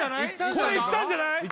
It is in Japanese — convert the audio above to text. これいったんじゃない？